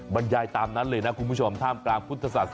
บรรยายตามนั้นเลยนะคุณผู้ชมท่ามกลางพุทธศาสนา